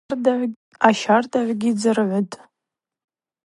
Ащардагӏвгьи дзыргӏвытӏ.